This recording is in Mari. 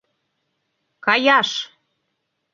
Каяш!